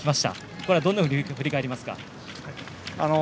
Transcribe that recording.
これはどんなふうに振り返りますか？